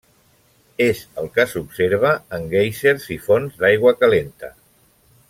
És el que s'observa en guèisers i fonts d'aigua calenta.